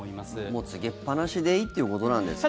もう、つけっぱなしでいいっていうことなんですかね。